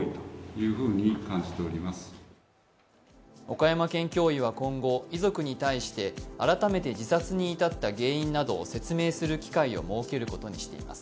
岡山県教委は今後、遺族に対して改めて自殺に至った原因などを説明する機会を設けることにしています。